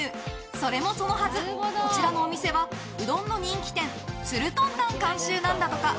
それもそのはず、こちらのお店はうどんの人気店つるとんたん監修なんだとか。